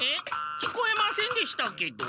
聞こえませんでしたけど？